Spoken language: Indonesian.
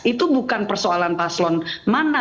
itu bukan persoalan paslon mana